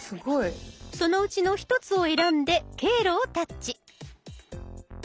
そのうちの１つを選んで「経路」をタッチ。